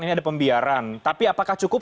ini ada pembiaran tapi apakah cukup